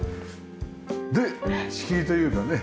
で仕切りというかね。